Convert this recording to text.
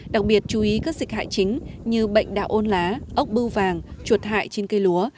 đặc biệt chú ý các dịch hại chính như bệnh đạo ôn lá ốc bưu vàng chuột hại trên cây lúa